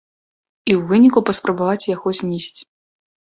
І ў выніку паспрабаваць яго знізіць.